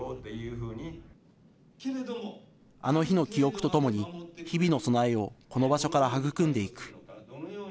あの日の記憶とともに日々の備えをこの場所から育んでいく。